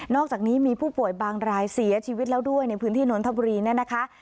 อกจากนี้มีผู้ป่วยบางรายเสียชีวิตแล้วด้วยในพื้นที่นนทบุรีเนี่ยนะคะ